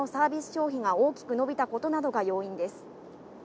消費が大きく伸びたことなどが要因です。